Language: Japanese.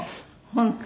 「本当？」